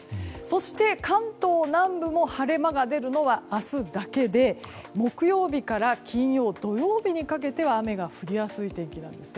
そして、関東南部も晴れ間が出るのは明日だけで木曜日から金曜、土曜日にかけては雨が降りやすい天気です。